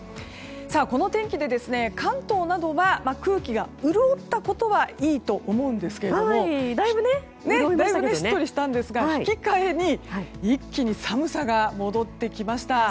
この天気で関東などは空気が潤ったことはいいと思うんですけどもそれと引き換えに一気に寒さが戻ってきました。